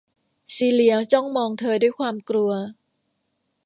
ซีเลียจ้องมองเธอด้วยความกลัว